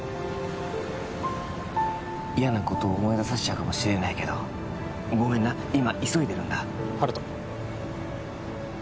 嫌なことを思いださせちゃうかもしれないけどごめんな今急いでるんだ温人